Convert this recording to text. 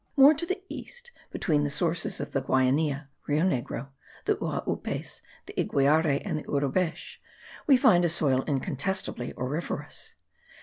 More to the east, between the sources of the Guainia (Rio Negro), the Uaupes, the Iquiare, and the Yurubesh, we find a soil incontestably auriferous.